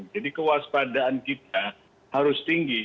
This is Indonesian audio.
jadi kewaspadaan kita harus tinggi